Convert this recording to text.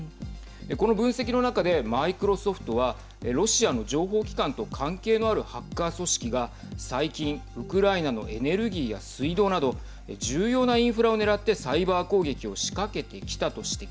この分析の中でマイクロソフトはロシアの情報機関と関係のあるハッカー組織が最近ウクライナのエネルギーや水道など重要なインフラを狙ってサイバー攻撃を仕掛けてきたと指摘。